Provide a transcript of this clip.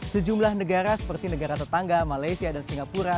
sejumlah negara seperti negara tetangga malaysia dan singapura